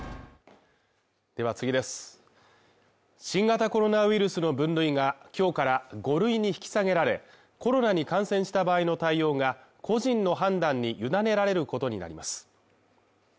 新型コロナウイルスの分類が今日から５類に引き下げられ、コロナに感染した場合の対応が個人の判断に委ねられることになります。